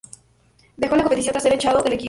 Dejó la competición tras ser echado del equipo.